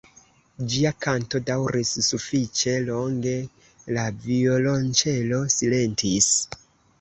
Ĝia kanto daŭris sufiĉe longe, la violonĉelo silentis.